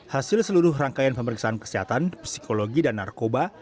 hasil seluruh rangkaian pemeriksaan kesehatan psikologi dan narkoba